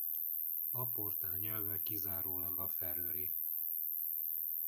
A portál nyelve kizárólag a feröeri.